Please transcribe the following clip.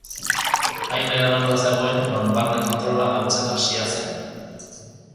Hain edanda zegoen, non barne-kontrola galtzen hasia zen.